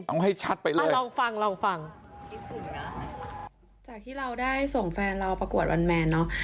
เอาให้ชัดไปเลยอ่าลองฟังลองฟังคิดถึงจากที่เราได้ส่งแฟนเราประกวดวันแมนเนอะ